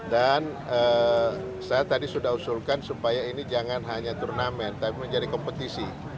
dan saya tadi sudah usulkan supaya ini jangan hanya turnamen tapi menjadi kompetisi